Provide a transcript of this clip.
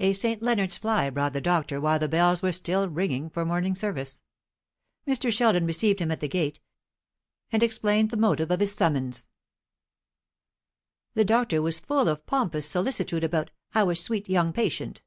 A St. Leonards fly brought the doctor while the bells were still ringing for morning service. Mr. Sheldon received him at the gate; and explained the motive of his summons. The doctor was full of pompous solicitude about "our sweet young patient."